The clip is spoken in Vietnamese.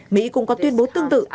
mỹ cũng có tuyên bố tương tự